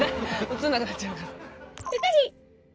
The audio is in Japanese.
映んなくなっちゃうから。